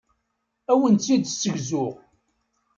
Ad awen-tt-id-ssegzuɣ.